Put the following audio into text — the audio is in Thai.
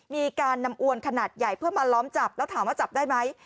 มีการนำอวนขนาดใหญ่เพื่อมาล้อมจับแล้วถามว่าจับได้ไหม